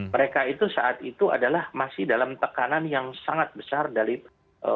mereka itu saat itu adalah masih dalam tekanan yang sangat besar dari presiden